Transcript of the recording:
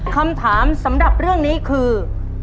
คำถามสำหรับเรื่องนี้คือ